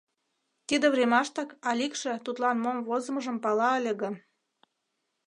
Тиде времаштак Аликше тудлан мом возымыжым пала ыле гын...